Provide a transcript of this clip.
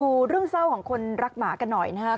ดูเรื่องเศร้าของคนรักหมากันหน่อยนะครับ